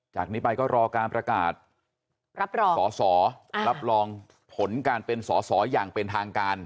จากนี้ไปก็รอการประกาศรับรองสอสอรับรองผลการเป็นสอสออย่างเป็นทางการ